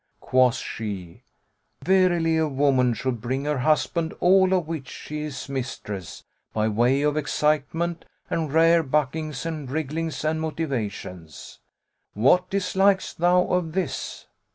Quoth she, Verily a woman should bring her husband all of which she is mistress, by way of excitement and rare buckings and wrigglings and motitations.[FN#113] What dislikest thou of this?'